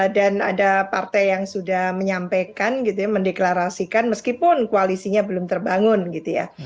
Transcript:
dan ada partai yang sudah menyampaikan gitu ya mendeklarasikan meskipun koalisinya belum terbangun gitu ya